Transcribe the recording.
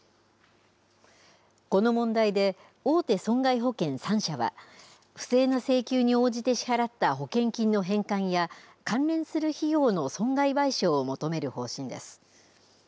この問題で、大手損害保険３社は、不正な請求に応じて支払った保険金の返還や、関連する費用の損害賠償を求める方針です。